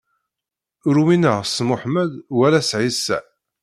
Ur umineɣ s Muḥemmed wala s Ɛisa.